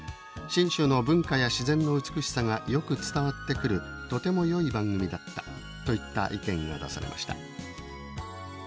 信州の文化や自然の美しさがよく伝わってくるとてもよい番組だった」といった意見が出されました。